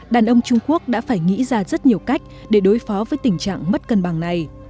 đàn ông trung quốc đã phải nghĩ ra rất nhiều cách để đối phó với tình trạng mất cân bằng này